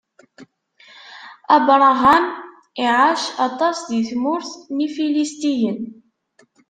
Abṛaham iɛac aṭas di tmurt n Ifilistiyen.